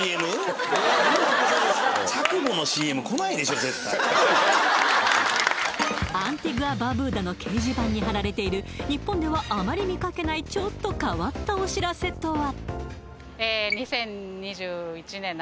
あっ絶対アンティグア・バーブーダの掲示板に貼られている日本ではあまり見かけないちょっと変わったお知らせとは？